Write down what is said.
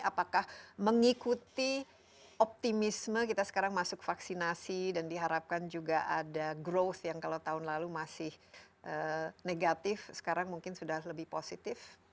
apakah mengikuti optimisme kita sekarang masuk vaksinasi dan diharapkan juga ada growth yang kalau tahun lalu masih negatif sekarang mungkin sudah lebih positif